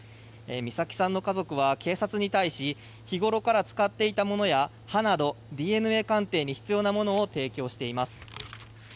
美咲さんの家族は警察に対し日ごろから使っていたものや歯などＤＮＡ鑑定に必要なものを提供しています。